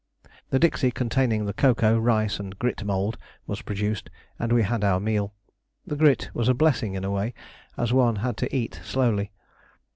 The dixie containing the cocoa, rice, and grit mould was produced, and we had our meal. The grit was a blessing in a way, as one had to eat slowly.